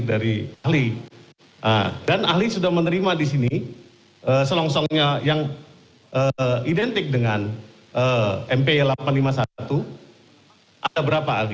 artinya itu biasanya orang enggak pernah full